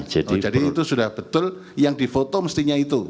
jadi itu sudah betul yang di foto mestinya itu